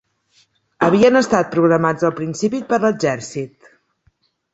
Havien estat programats al principi per l'exèrcit.